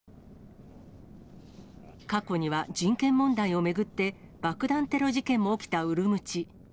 過去には人権問題を巡って、爆弾テロ事件も起きたウルムチ。